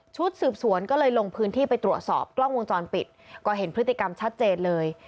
ชุดสืบสวนก็เลยลงพื้นที่ไปตรวจสอบกล้องวงจรปิดก็เห็นพฤติกรรมชัดเจนเลย